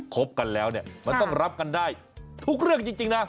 บกันแล้วเนี่ยมันต้องรับกันได้ทุกเรื่องจริงนะ